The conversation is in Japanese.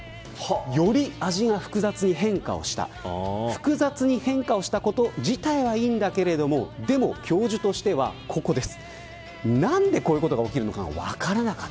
複雑に変化したこと自体はいいけれど教授としてはここです。